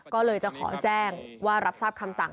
ก็เลยจะขอแจ้งว่ารับทราบคำสั่ง